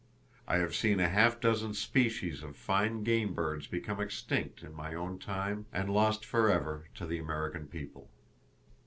I have seen a half dozen species of fine game birds become extinct in my own time and lost forever to the American people.